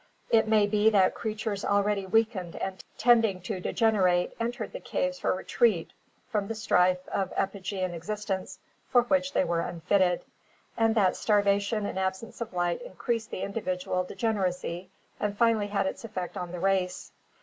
It may be that creatures already weakened and tending to de generate entered the caves for retreat from the strife of epigean existence for which they were unfitted, and that starvation and absence of light increased the individual degeneracy and finally had its effect on the race.